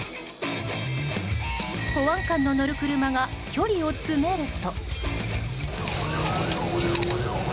保安官の乗る車が距離を詰めると。